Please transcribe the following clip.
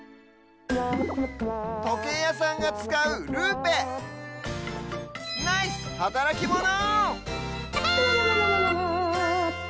とけいやさんがつかうルーペナイスはたらきモノ！